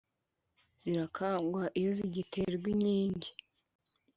zirakagwa iyo giterwa inkingi!